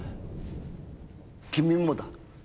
君もだ。